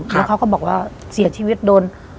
แล้วเขาก็บอกว่าเสียชีวิตโดน